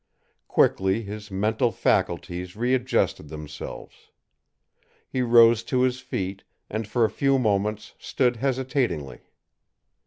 Quickly his mental faculties readjusted themselves. He rose to his feet, and for a few moments stood hesitatingly.